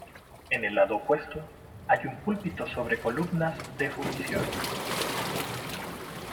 En el lado opuesto, hay un púlpito sobre columnas de fundición.